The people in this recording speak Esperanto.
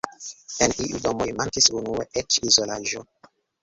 En iuj domoj mankis unue eĉ izolaĝo.